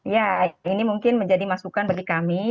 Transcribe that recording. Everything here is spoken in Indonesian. ya ini mungkin menjadi masukan bagi kami